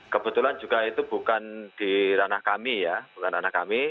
kebetulan juga itu bukan di ranah kami ya bukan ranah kami